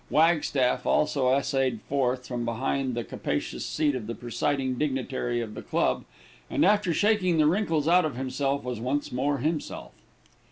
Wagstaff also essayed forth from behind the capacious seat of the presiding dignitary of the club, and, after shaking the wrinkles out of himself, was once more himself.